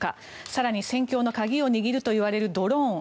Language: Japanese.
更に戦況の鍵を握るといわれるドローン。